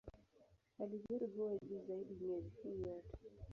Halijoto huwa juu zaidi miezi hii yote.